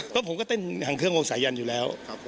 เพราะผมก็เต้นทางเครื่องวงสายันอยู่แล้ว